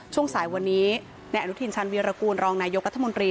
ช่วงสายวันนี้นายอนุทินชันวีรกูลรองนายกรัฐมนตรี